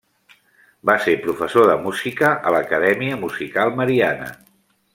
Va ser professor de música a l'acadèmia Musical Mariana.